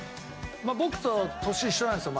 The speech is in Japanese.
僕と年一緒なんですよ。